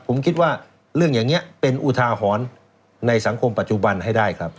ผมคิดว่าเรื่องอย่างนี้เป็นอุทาหรณ์ในสังคมปัจจุบันให้ได้ครับ